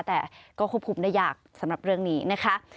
แต่ก็ควบคุมได้ยากสำหรับเรื่องนี้นะคะ